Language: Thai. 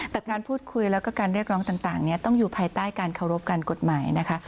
แต่การพูดคุยแล้วก็การเรียกร้องต่างต้องอยู่ภายใต้การเคารพการกฎหมายนะคะ